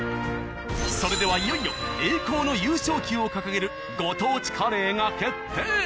それではいよいよ栄光の優勝旗を掲げるご当地カレーが決定！